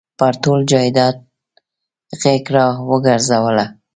پر ټول جایداد غېږ را ورګرځوله.